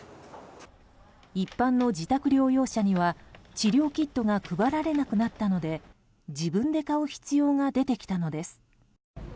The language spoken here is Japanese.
一般の自宅療養者には治療キットが配られなくなったので自分で買う必要が出てきたのです。